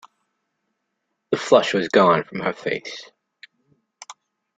The flush was gone from her face.